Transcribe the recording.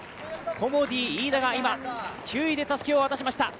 コモディイイダが今、９位でたすきを渡しました。